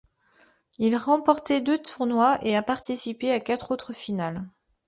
Il remporté deux tournois et a participé à quatre autres finales.